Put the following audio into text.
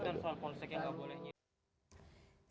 sebenarnya itu adalah konsep yang tidak boleh